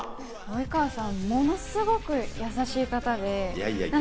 及川さんはものすごく優しいいやいや。